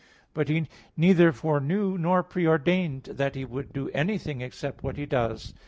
But He neither foreknew nor pre ordained that He would do anything except what He does.